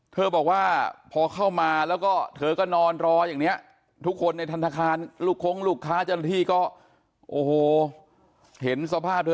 เธอบอกว่าพอเข้ามาแล้วก็เธอก็นอนรออย่างนี้ทุกคนในธนาคารลูกคงลูกค้าเจ้าหน้าที่ก็โอ้โหเห็นสภาพเธอ